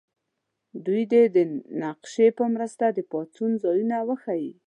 دوی دې د نقشې په مرسته د پاڅون ځایونه وښیي.